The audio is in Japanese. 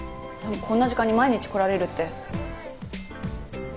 こんな時間に毎日来られるって。